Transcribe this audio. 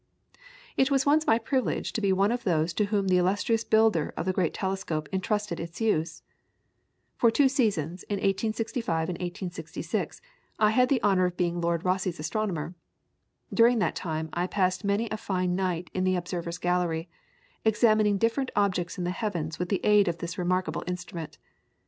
[PLATE: ROMAN CATHOLIC CHURCH AT PARSONSTOWN.] It was once my privilege to be one of those to whom the illustrious builder of the great telescope entrusted its use. For two seasons in 1865 and 1866 I had the honour of being Lord Rosse's astronomer. During that time I passed many a fine night in the observer's gallery, examining different objects in the heavens with the aid of this remarkable instrument.